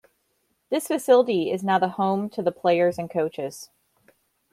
This facility is now the home to the players and coaches.